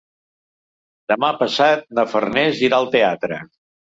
Demà passat na Farners irà al teatre.